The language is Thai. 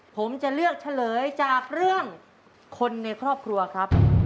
ผมจะเลือกเฉลยจากเรื่องคนในครอบครัวครับ